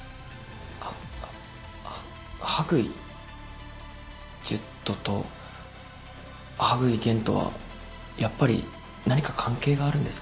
あ羽喰十斗と羽喰玄斗はやっぱり何か関係があるんですか？